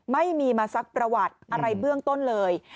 ไม่มีมาซักประวัติอะไรเบื้องต้นเลย